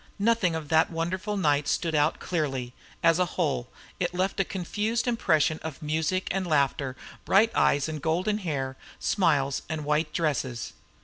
Nothing of that wonderful night stood out clearly: as a whole, it left a confused impression of music and laughter, bright eyes and golden hair, smiles and white dresses.